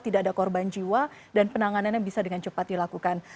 tidak ada korban jiwa dan penanganannya bisa dengan cepat dilakukan